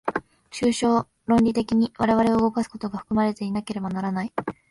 抽象論理的に我々を動かすことが含まれていなければならない。